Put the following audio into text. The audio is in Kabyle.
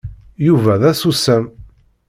Yuba d asusam.